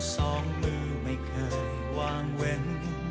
สองมือไม่เคยวางเว้น